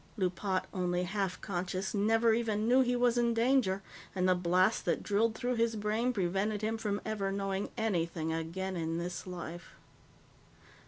Loopat, only half conscious, never even knew he was in danger, and the blast that drilled through his brain prevented him from ever knowing anything again in this life.